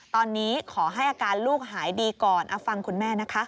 ตอนนี้ขอให้อาการลูกหายดีก่อนเอาฟังคุณแม่นะคะ